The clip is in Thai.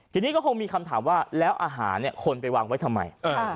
ทีนี้ก็คงมีคำถามว่าแล้วอาหารคนไปวางไว้ทำไม